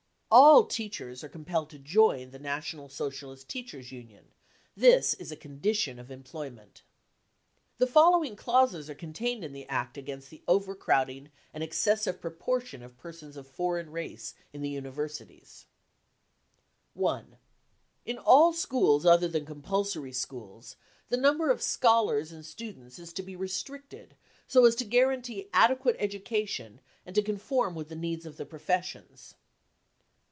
All teachers are compelled to join the National Socialist Teachers 5 Union ; this is a condition of employment. The following clauses are contained in the Act against the overcrowding and excessive proportion of persons of foreign race in the universities : 1. In all schools other than compulsory schools, the number of scholars and students is to be restricted so as to guarantee adequate education and to conform with the needs of the professions.